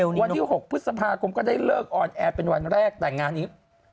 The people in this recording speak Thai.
วันที่๖พฤษภาคมก็ได้เลิกออนแอร์เป็นวันแรกแต่งงานนี้